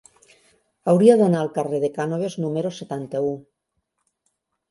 Hauria d'anar al carrer de Cànoves número setanta-u.